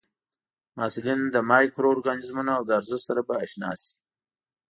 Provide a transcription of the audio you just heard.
محصلین د مایکرو ارګانیزمونو او د ارزښت سره به اشنا شي.